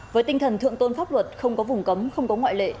với tinh thần thượng tôn pháp luật không có vùng cấm không có ngoại lệ